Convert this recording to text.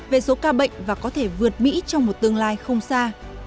về số ca bệnh và có thể vượt mỹ trong một tương lai không xa